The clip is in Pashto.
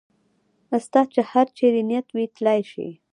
ستا چې هر چېرې نیت وي تلای شې.